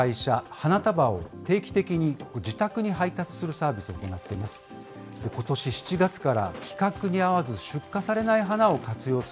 花束を定期的に自宅に配達するサービスを行っています。